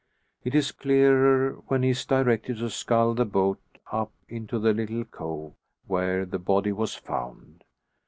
It is clearer when he is directed to scull the boat up into the little cove where the body was found.